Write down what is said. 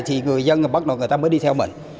thì người dân bắt đầu người ta mới đi theo mình